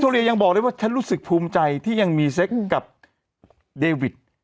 รู้สึกภูมิใจที่ยังมีเซ็กกับเดวิต